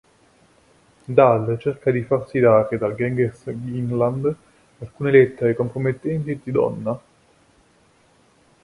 Dal cerca di farsi dare dal gangster Kinland alcune lettere compromettenti di Donna.